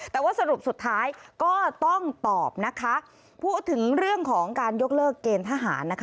แต่ว่าสรุปสุดท้ายก็ต้องตอบนะคะพูดถึงเรื่องของการยกเลิกเกณฑ์ทหารนะคะ